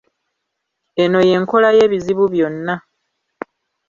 Eno ye nkola y'ebizibu byonna.